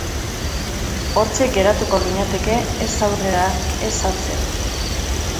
Hortxe geratuko ginateke ez aurrera ez atzera.